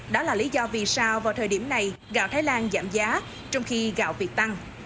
đó là lý do vì sao vào thời điểm này gạo thái lan giảm giá trong khi gạo việt tăng